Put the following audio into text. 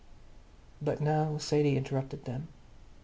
But now Sadie interrupted them.